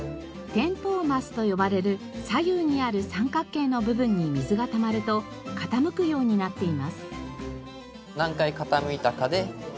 転倒マスと呼ばれる左右にある三角形の部分に水がたまると傾くようになっています。